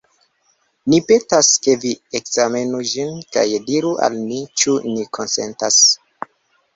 Ni petas, ke vi ekzamenu ĝin kaj diru al ni, ĉu ni konsentas.